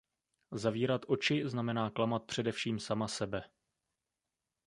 Zavírat oči znamená klamat především sama sebe.